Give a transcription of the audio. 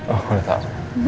oh udah tau